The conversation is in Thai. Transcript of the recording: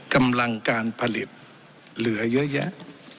กำลังการผลิตเหลือเยอะแยะ